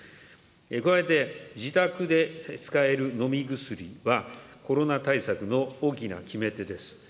加えて自宅で使える飲み薬は、コロナ対策の大きな決め手です。